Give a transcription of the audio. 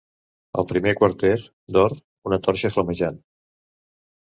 Al primer quarter, d'or, una torxa flamejant.